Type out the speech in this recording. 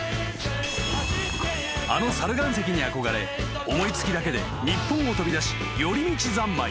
［あの猿岩石に憧れ思い付きだけで日本を飛び出し寄り道三昧］